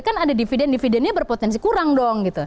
kan ada dividen dividennya berpotensi kurang dong gitu